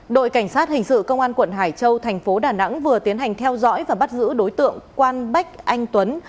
đội cảnh sát hình sự công an quận hải châu thành phố đà nẵng vừa tiến hành theo dõi và bắt giữ đối tượng quan bách anh tuấn